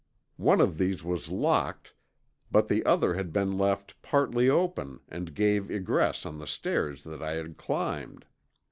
One of these was locked but the other had been left partly open and gave egress on the stairs that I had climbed.